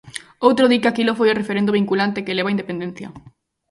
Outro di que aquilo foi o referendo vinculante que leva á independencia.